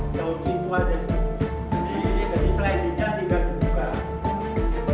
yang ini tiga makanya dua jauh lima dan ini jadi trading nya tiga puluh dua